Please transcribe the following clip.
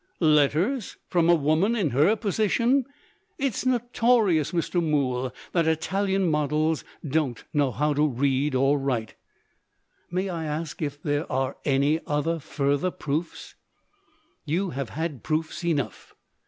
"Letters? From a woman in her position? It's notorious, Mr. Mool, that Italian models don't know how to read or write." "May I ask if there are any further proofs?" "You have had proofs enough."